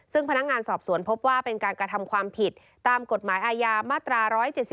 ซึ่งพนักงานสอบสวนพบว่าเป็นการกระทำความผิดตามกฎหมายอาญามาตรา๑๗๒